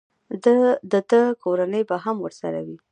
د ده کورنۍ به هم ورسره وي.